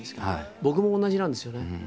僕も同じなんですよね。